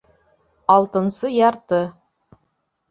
Алтынсы ярты